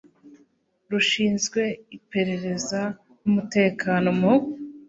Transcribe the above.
rushinzwe Iperereza n Umutekano mu